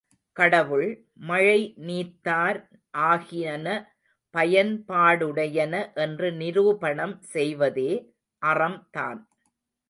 கடவுள், மழை, நீத்தார் ஆகியன பயன்பாடுடையன என்று நிரூபணம் செய்வதே அறம்தான்.